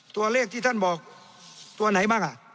ตัวเลขที่ท่านบอกตัวไหนบ้างอ่ะ